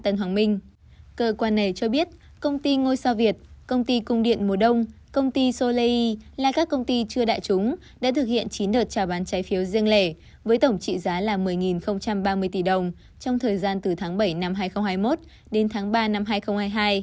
cơ quan này cho biết công ty ngôi sao việt công ty cung điện mùa đông công ty solei là các công ty chưa đại chúng đã thực hiện chín đợt trào bán trái phiếu riêng lẻ với tổng trị giá là một mươi ba mươi tỷ đồng trong thời gian từ tháng bảy năm hai nghìn hai mươi một đến tháng ba năm hai nghìn hai mươi hai